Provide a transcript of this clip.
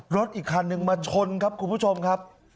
รถอีกคันหนึ่งมาชนครับคุณผู้ชมครับ